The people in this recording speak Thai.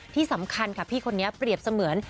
ที่สำคัญค่ะพี่คนนี้เปรียบเสมือน